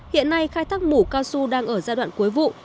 hiện nay khai thác mù cao su đang ở giai đoạn cuối vụ